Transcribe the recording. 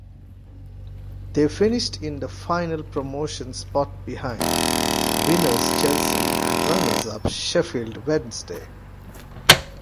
They finished in the final promotion spot behind winners Chelsea and runners-up Sheffield Wednesday.